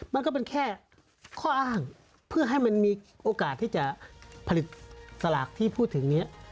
มันก็เป็นแค่ข้ออ้างเพื่อให้มันมีโอกาสที่จะผลิตสลากที่พูดถึงนี้